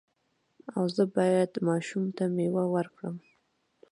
ایا زه باید ماشوم ته میوه ورکړم؟